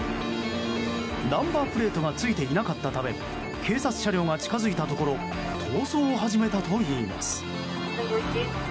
ナンバープレートがついていなかったため警察車両が近づいたところ逃走を始めたといいます。